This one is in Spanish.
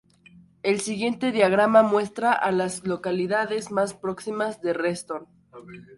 El siguiente diagrama muestra a las localidades más próximas a Reston.